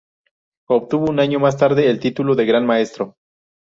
Obtuvo un año más tarde el título de Gran Maestro.